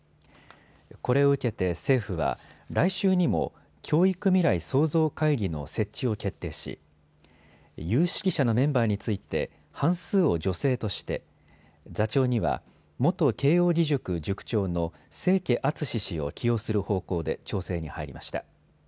これを受けて政府は来週にも教育未来創造会議の設置を決定し有識者のメンバーについて半数を女性として座長には元慶應義塾塾長の清家篤氏を起用する方向で調整に入りました。